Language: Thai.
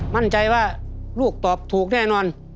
มั่นใจว่าลูกตอบถูกแน่นอน